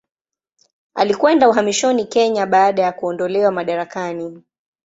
Alikwenda uhamishoni Kenya baada ya kuondolewa madarakani.